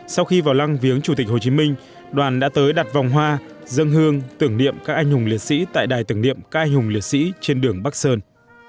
sau khi vào lăng viếng chủ tịch hồ chí minh đoàn đã tới đặt vòng hoa dân hương tưởng niệm các anh hùng liệt sĩ tại đài tưởng niệm các anh hùng liệt sĩ trên đường bắc sơn